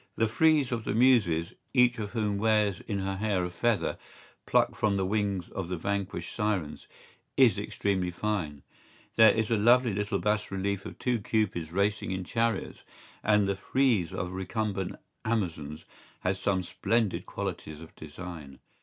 ¬Ý The frieze of the Muses, each of whom wears in her hair a feather plucked from the wings of the vanquished sirens, is extremely fine; there is a lovely little bas relief of two cupids racing in chariots; and the frieze of recumbent Amazons has some splendid qualities of design.